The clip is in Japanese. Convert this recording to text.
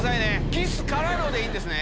キスからのでいいんですね。